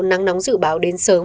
nắng nóng dự báo đến sớm